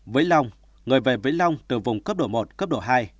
vĩnh long người về vĩnh long từ vùng cấp độ một cấp độ hai